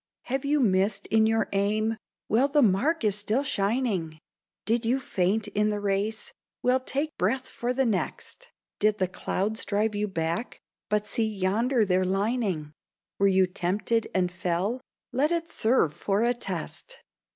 Have you missed in your aim? Well, the mark is still shining. Did you faint in the race? Well, take breath for the next. Did the clouds drive you back? But see yonder their lining. Were you tempted and fell? Let it serve for a text.